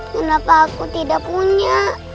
kenapa aku tidak punya